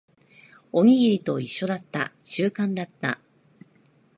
おにぎりと一緒だった。習慣だった。